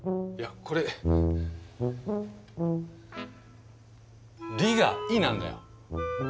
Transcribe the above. いやこれ「り」が「い」なんだよ。